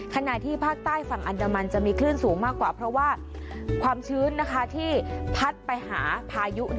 ขณะที่ภาคใต้ฝั่งอันดามันจะมีคลื่นสูงมากกว่าเพราะว่าความชื้นที่พัดไปหาพายุ